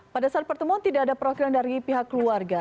pada saat pertemuan tidak ada perwakilan dari pihak keluarga